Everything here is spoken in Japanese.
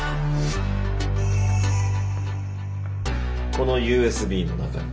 このＵＳＢの中に。